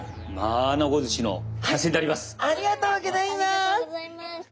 ありがとうございます。